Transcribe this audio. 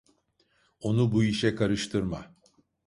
Onu bu işe karıştırma.